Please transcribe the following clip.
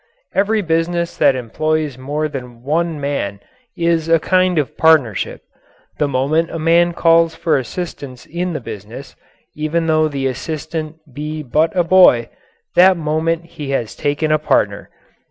Every business that employs more than one man is a kind of partnership. The moment a man calls for assistance in his business even though the assistant be but a boy that moment he has taken a partner.